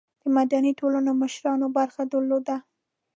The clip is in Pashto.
د مدني ټولنو مشرانو برخه درلوده.